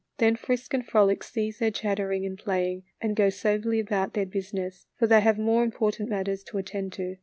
Then Frisk and Frolic cease their chattering and playing and go soberly about their business, for they have more im portant matters to attend to.